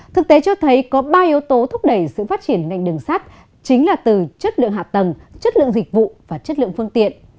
thực tế cho thấy có ba yếu tố thúc đẩy sự phát triển ngành đường sắt chính là từ chất lượng hạ tầng chất lượng dịch vụ và chất lượng phương tiện